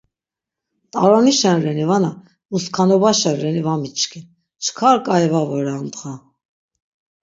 T̆aronişen reni vana uskanobaşen reni va miçkin, çkar k̆ai va vore amdğa.